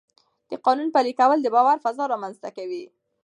د قانون پلي کول د باور فضا رامنځته کوي